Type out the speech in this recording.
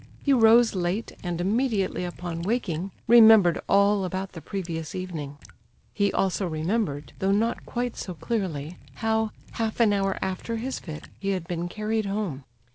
He rose late, and immediately upon waking remembered all about the previous evening; he also remembered, though not quite so clearly, how, half an hour after his fit, he had been carried home.